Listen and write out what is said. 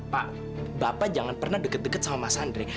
pak bapak jangan pernah deket deket sama mas andre